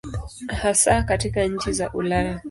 Hasa katika nchi za Ulaya.